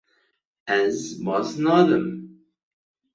Ez baz nadim.